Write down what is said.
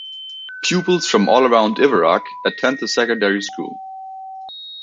Pupils from all around Iveragh attend the secondary school.